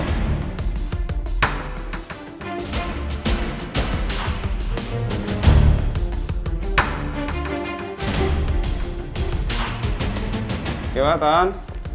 oke pak tahan